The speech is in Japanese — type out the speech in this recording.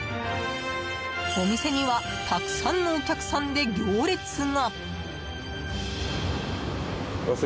お店にはたくさんのお客さんで行列が。